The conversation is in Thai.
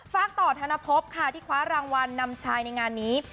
ฝากต่อธนภพค่ะที่คว้ารางวัลนำชายในงานนี้